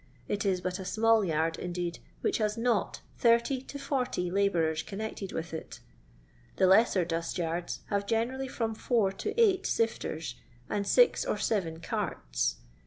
It is but a small yard, which has not 80 to 40 labourers connected with it; and the lesser dust yards have gene rally from four to eight siflers, and six or seven carta.